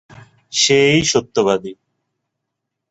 সেই-ই Satyabati.